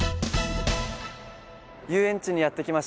遊園地にやって来ました。